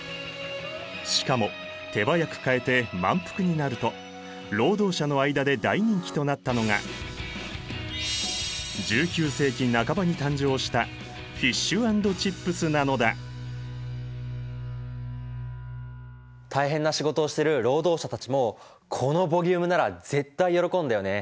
しかも手早く買えて満腹になると労働者の間で大人気となったのが１９世紀半ばに誕生した大変な仕事をしてる労働者たちもこのボリュームなら絶対喜んだよね。